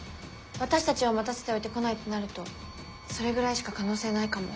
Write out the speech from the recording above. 私たちを待たせておいて来ないってなるとそれぐらいしか可能性ないかも。